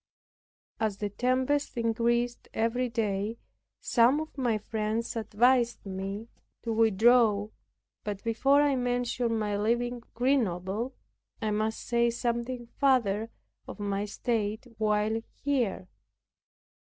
As the tempest increased every day, some of my friends advised me to withdraw, but before I mention my leaving Grenoble, I must say something farther of my state while here.